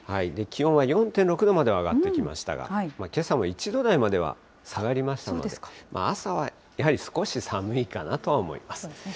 気温は４．６度まで上がってきましたが、けさも１度台までは下がりましたので、朝はやはり少し寒いかなとは思います。